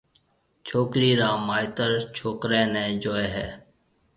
ڇوڪرِي را مائيتر ڇوڪريَ نيَ جوئيَ ھيَََ